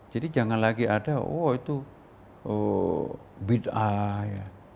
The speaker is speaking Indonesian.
jadi jangan lagi ada oh itu bida'ah